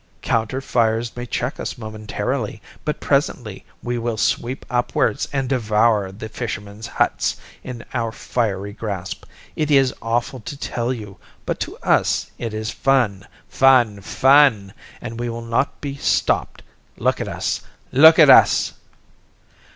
"Counter fires may check us momentarily, but presently we will sweep upwards and devour the fishermen's huts in our fiery grasp. It is awful to you, but to us it is fun, fun, fun, and we will not be stopped. Look at us. Look at us."